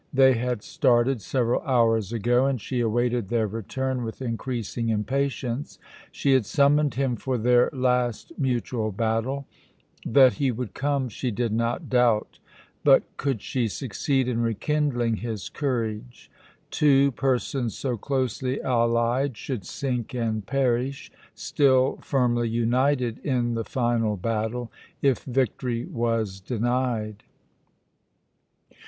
They had started several hours ago, and she awaited their return with increasing impatience. She had summoned him for their last mutual battle. That he would come she did not doubt. But could she succeed in rekindling his courage? Two persons so closely allied should sink and perish, still firmly united, in the final battle, if victory was denied.